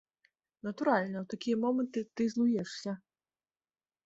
Натуральна, у такія моманты ты злуешся.